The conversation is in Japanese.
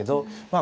あ